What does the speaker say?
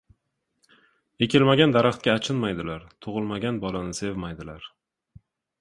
• Ekilmagan daraxtga achinmaydilar, tug‘ilmagan bolani sevmaydilar.